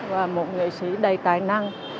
và một nghệ sĩ đầy tài năng